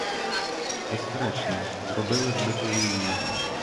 Безперечно, зробилась би повією.